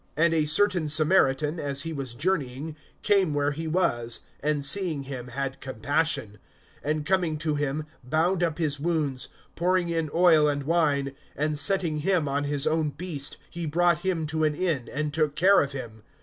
(33)And a certain Samaritan, as he was journeying, came where he was, and seeing him had compassion; (34)and coming to him, bound up his wounds, pouring in oil and wine; and setting him on his own beast, he brought him to an inn, and took care of him.